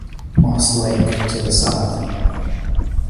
Moss Lake to the south.